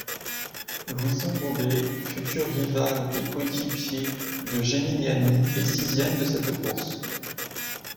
Louison Bobet, futur rival et coéquipier de Géminiani, est sixième de cette course.